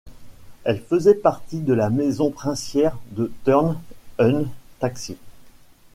Elle faisait partie de la maison princière de Thurn und Taxis.